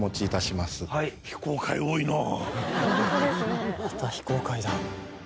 また非公開だ。